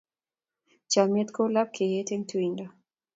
Chomnyet kou lapkeiyet eng tuindo.